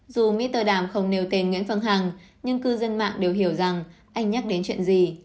dù mỹ tờ đàm không nêu tên nguyễn phương hằng nhưng cư dân mạng đều hiểu rằng anh nhắc đến chuyện gì